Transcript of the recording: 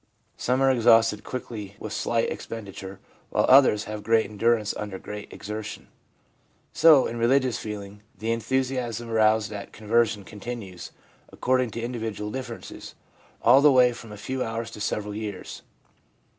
Some are exhausted quickly with slight ex penditure, while others have great endurance under great exertion. So, in religious feeling, the enthusiasm aroused at conversion continues, according to individual differences, all the way from a few hours to several years.